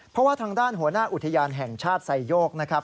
เพราะว่าทางด้านหัวหน้าอุทยานแห่งชาติไซโยกนะครับ